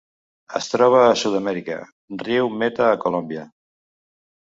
Es troba a Sud-amèrica: riu Meta a Colòmbia.